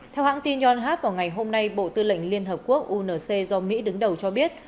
theo hãng tin yonhap vào ngày hôm nay bộ tư lệnh liên hợp quốc unc do mỹ đứng đầu cho biết